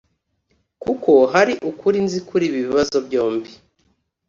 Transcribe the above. Kuba hari ukuri nzi kuri ibi bibazo byombi